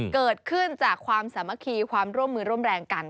เกิดขึ้นจากความสามัคคีความร่วมมือร่วมแรงกัน